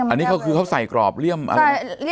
อันนี้ก็คือเขาใส่กรอบเลี่ยมอะไร